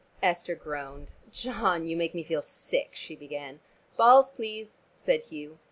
Esther groaned. "John, you make me feel sick," she began. "Balls, please," said Hugh.